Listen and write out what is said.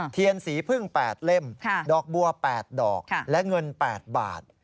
เทียนสีพึ่ง๘เล่มดอกบัว๘ดอกและเงิน๘บาท